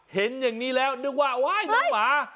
เห็นอย่างนี้แล้วนึกว่าโอ๊ยน้องหมา